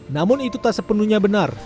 namun itu tak sepenuhnya benar